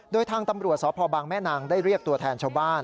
โดยทางตำรวจสพบางแม่นางได้เรียกตัวแทนชาวบ้าน